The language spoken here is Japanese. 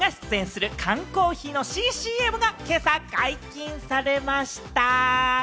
ムロツヨシさんが出演する缶コーヒーの新ＣＭが今朝、解禁されました。